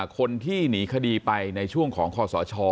คนที่หนีคดีไปในช่วงของคอสช